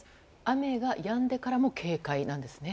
雨がやんでからも警戒なんですね。